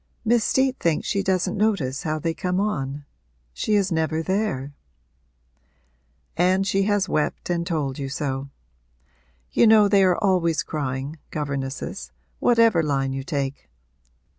'Miss Steet thinks she doesn't notice how they come on she is never there.' 'And has she wept and told you so? You know they are always crying, governesses whatever line you take.